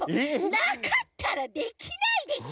なかったらできないでしょ！？